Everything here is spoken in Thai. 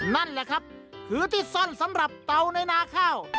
นั่นแหละครับคือที่ซ่อนสำหรับเตาในนาข้าว